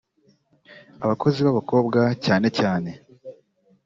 Abakozi b’abakobwa cyane cyane